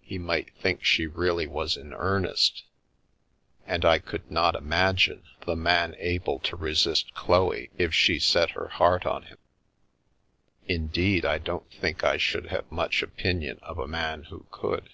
He might think she really was in earnest, and I could not imagine the man able to resist Chloe if she set her heart on him. Indeed, I don't think I should have much opinion of a man who could.